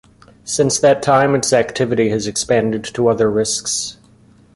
Since that time its activity has expanded to other risks.